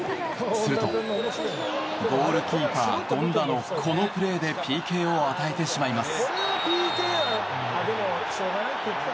すると、ゴールキーパー権田のこのプレーでＰＫを与えてしまいます。